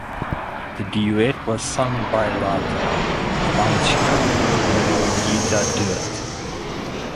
The duet was sung by Lata Mangeshkar and Geeta Dutt.